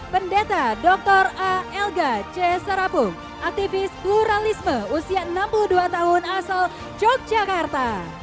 pendeta dr a elga c sarapung aktivis pluralisme usia enam puluh dua tahun asal yogyakarta